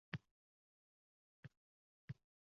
Shohi Jahon: